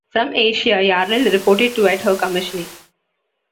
From Asia, Yarnell reported to at her commissioning.